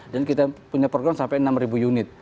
dan kita punya program sampai enam ribu unit